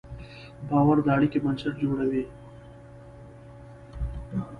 باور د اړیکې بنسټ جوړوي.